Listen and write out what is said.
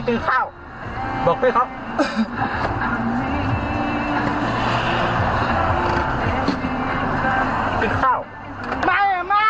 เปิดไฟขอทางออกมาแล้วอ่ะ